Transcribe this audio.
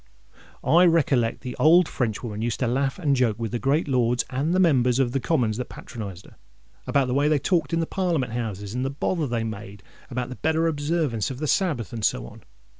I recollect the old Frenchwoman used to laugh and joke with the great Lords and the Members of the Commons that patronised her, about the way they talked in the Parliament Houses, and the bother they made about the better observance of the Sabbath, and so on.